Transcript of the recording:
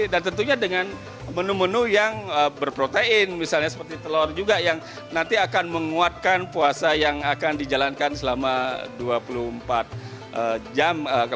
dan tentunya dengan menu menu yang berprotein misalnya seperti telur juga yang nanti akan menguatkan puasa yang akan dijalankan selama dua puluh empat jam kalau nggak salah ya dea dan iqbal